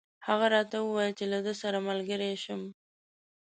هغه راته وویل چې له ده سره ملګری شم.